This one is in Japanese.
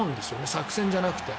作戦じゃなくて。